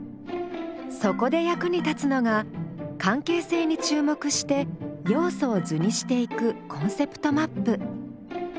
そこで役に立つのが関係性に注目して要素を図にしていくコンセプトマップ。